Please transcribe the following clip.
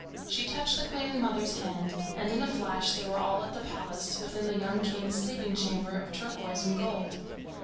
She touched the Queen mother's hand, and in a flash they were all at the palace, within the young king's sleeping chamber of turquoise and gold.